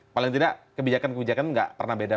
paling tidak kebijakan kebijakan nggak pernah beda